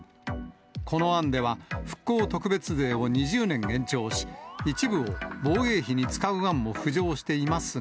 この案では、復興特別税を２０年延長し、一部を防衛費に使う案も浮上していますが。